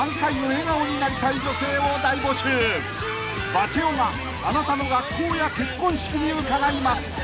［バチェ男があなたの学校や結婚式に伺います］